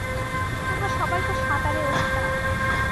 তোমরা সবাইতো সাঁতারে ওস্তাদ।